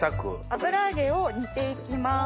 油揚げを煮ていきます。